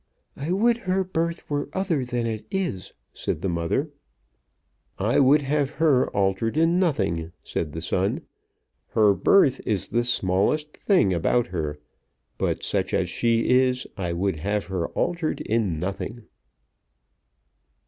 "I would her birth were other than it is," said the mother. "I would have her altered in nothing," said the son. "Her birth is the smallest thing about her, but such as she is I would have her altered in nothing."